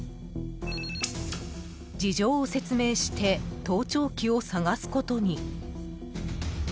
事情を説明して盗聴器を探すことに。